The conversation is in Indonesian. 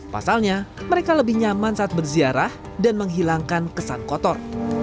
pasalnya mereka lebih nyaman saat berziarah dan menghilangkan kesan kotor